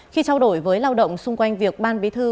khi trao đổi với lao động xung quanh việc ban bí thư